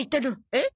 えっ？